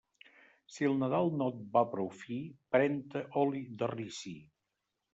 Si el Nadal no et va prou fi, pren-te oli de ricí.